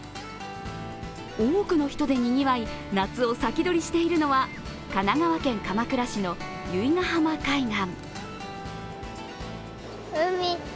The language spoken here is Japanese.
多くの人でにぎわい夏を先取りしているのは神奈川県鎌倉市の由比ヶ浜海岸。